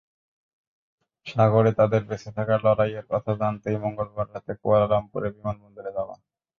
সাগরে তাঁদের বেঁচে থাকার লড়াইয়ের কথা জানতেই মঙ্গলবার রাতে কুয়ালালামপুর বিমানবন্দরে যাওয়া।